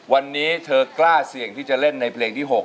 วันนี้เธอกล้าเสี่ยงที่จะเล่นในเพลงที่๖